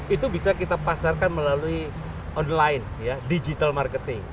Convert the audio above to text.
itu bisa kita pasarkan melalui online digital marketing